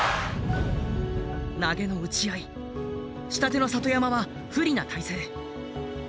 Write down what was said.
投げの打ち合い下手の里山は不利な体勢。